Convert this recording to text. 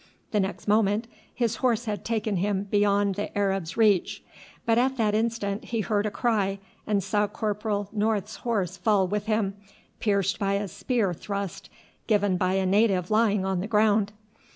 The next moment his horse had taken him beyond the Arab's reach; but at that instant he heard a cry and saw Corporal North's horse fall with him, pierced by a spear thrust given by a native lying on the ground.